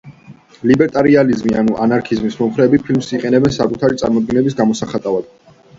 ლიბერტარიანიზმის თუ ანარქიზმის მომხრეები ფილმს იყენებენ საკუთარი წარმოდგენების გამოსახატავად.